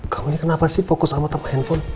kamu ini kenapa sih fokus sama tanpa handphone